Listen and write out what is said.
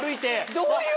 どういう？